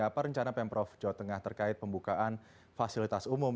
apa rencana pemprov jawa tengah terkait pembukaan fasilitas umum